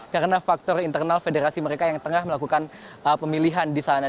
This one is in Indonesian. karena faktor internal federasi mereka yang tengah melakukan pemilihan di sana